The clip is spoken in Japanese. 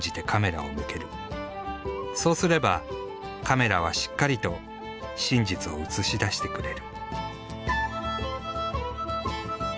そうすればカメラはしっかりと真実を映し出してくれる。